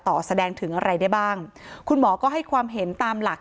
แสดงถึงอะไรได้บ้างคุณหมอก็ให้ความเห็นตามหลัก